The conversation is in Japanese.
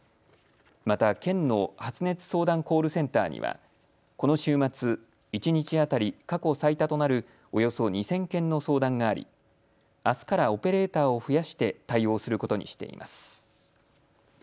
また、県の発熱相談コールセンターにはこの週末、一日当たり過去最多となるおよそ２０００件の相談がありあすからオペレーターを増やして対応することにしています。